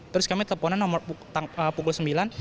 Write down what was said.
terus kami teleponnya pukul sembilan